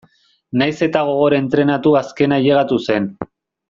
Nahiz eta gogor entrenatu azkena ailegatu zen.